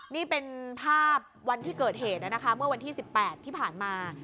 นี่เป็นภาพวันที่เกิดเหตุนะคะเมื่อวันที่๑๘ที่ผ่านมา